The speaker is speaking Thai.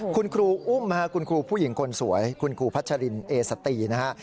คุณครูอุ้มคุณครูผู้หญิงคนสวยคุณครูพัชรินเอสตีนะฮะ